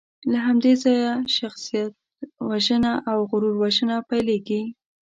له همدې ځایه شخصیتوژنه او غرور وژنه پیلېږي.